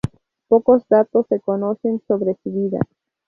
Pocos datos se conocen sobre su vida.